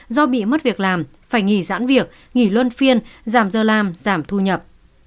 do bị mất việc làm phải nghỉ giãn việc nghỉ luân phiên giảm giờ làm giảm thu nhập